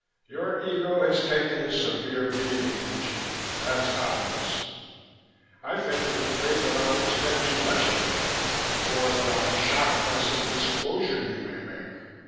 "Your ego has taken a severe beating, Legion that's obvious. I think you're afraid that I'll expect too much of you or that I'll be shocked by some disclosure you may make.